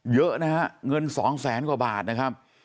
เยอะนะฮะเงิน๒แสนกว่าบาทนะครับ